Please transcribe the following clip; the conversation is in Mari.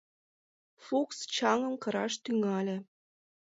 Фукс чаҥым кыраш тӱҥале.